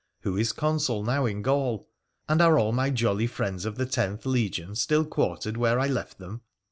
' Who is Consul now in Gaul ? And are all my jolly friends of the Tenth Legion still quartered where I left them